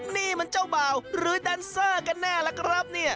นี่มันเจ้าบ่าวหรือแดนเซอร์กันแน่ล่ะครับเนี่ย